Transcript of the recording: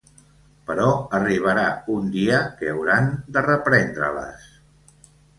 Però arribarà un dia que hauran de reprendre-les.